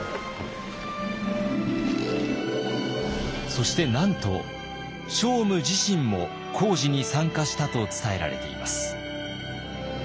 そしてなんと聖武自身も工事に参加したと伝えられています。